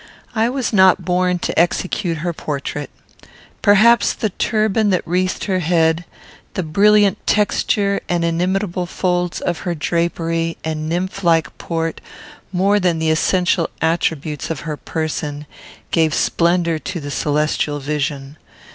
I was not born to execute her portrait. Perhaps the turban that wreathed her head, the brilliant texture and inimitable folds of her drapery, and nymphlike port, more than the essential attributes of her person, gave splendour to the celestial vision.